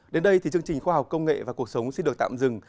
đến đây chương trình khoa học công nghệ và cuộc sống sẽ được tạm dừng